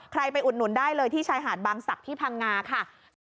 ไปอุดหนุนได้เลยที่ชายหาดบางศักดิ์ที่พังงาค่ะ